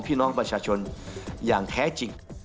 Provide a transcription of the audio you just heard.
พี่น้องประชาชนอย่างแท้จริง